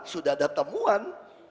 sudah ada temuan